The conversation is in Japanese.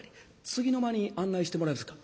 次の間に案内してもらえますか」。